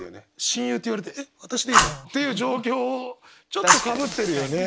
親友って言われて「えっわたしでいいの？」っていう状況ちょっとかぶってるよね。